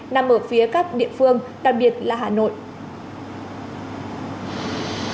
nằm ở phía các địa phương đặc biệt là hà nội